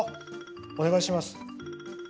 お願いします。